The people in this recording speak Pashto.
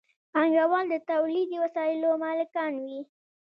پانګوال د تولیدي وسایلو مالکان وي.